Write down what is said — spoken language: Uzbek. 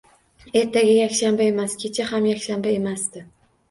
Ertaga yakshanba emas, kecha ham yakshanba emasdi